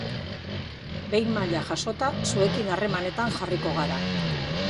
Behin maila jasota, zuekin harremanetan jarriko gara.